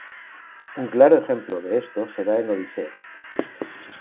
Un claro ejemplo de esto se da en Odisea.